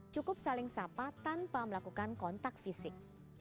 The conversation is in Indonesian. cukup saling sapa tanpa melakukan kontak fisik